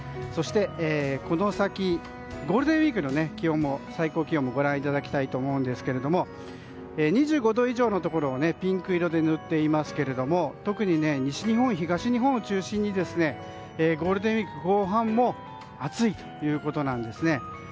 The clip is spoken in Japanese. この先ゴールデンウィークの最高気温もご覧いただきたいと思うんですけど２５度以上のところをピンク色で塗っていますが特に西日本、東日本を中心にゴールデンウィーク後半も暑いということなんですね。